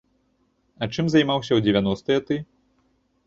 А чым займаўся ў дзевяностыя ты?